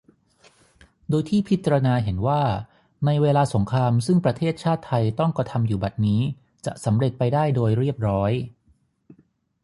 โดยที่พิจารณาเห็นว่า ในเวลาสงครามซึ่งประเทศชาติไทยต้องกระทำอยู่บัดนี้จะสำเร็จไปได้โดยเรียบร้อย